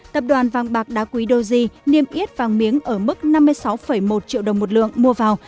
tập đoàn vàng bạc đá quý doji niêm yết vàng miếng ở mức năm mươi sáu một triệu đồng một lượng mua vào